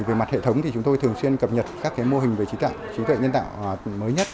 về mặt hệ thống thì chúng tôi thường xuyên cập nhật các mô hình về trí tuệ nhân tạo mới nhất